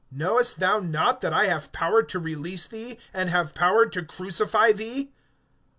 Knowest thou not that I have power to release thee, and have power to crucify thee?